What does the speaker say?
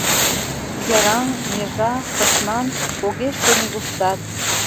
Йыраҥ, межа, пысман огеш кой нигуштат.